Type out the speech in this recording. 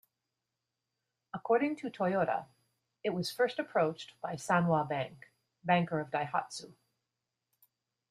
According to Toyota, it was first approached by Sanwa Bank, banker of Daihatsu.